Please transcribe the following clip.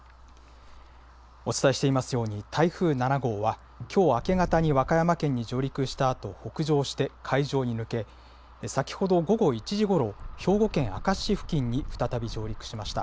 お伝えしていますように、台風７号はきょう明け方に和歌山県に上陸したあと、北上して海上に抜け、先ほど午後１時ごろ、兵庫県明石市付近に再び上陸しました。